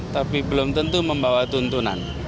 tapi belum tentu membawa tuntunan